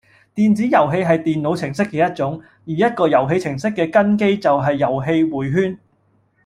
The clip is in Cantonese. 電子遊戲係電腦程式嘅一種，而一個遊戲程式嘅根基係遊戲迴圈